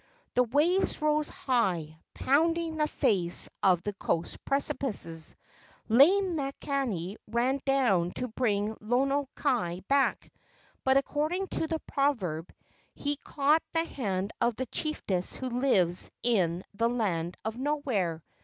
The waves rose high, pounding the face of the coast precipices. Lei makani ran down to bring Lono kai back, but according to the proverb he caught the hand of the chiefess who lives in the land of Nowhere.